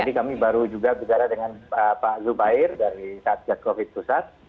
tadi kami baru juga bicara dengan pak zubair dari satgas covid pusat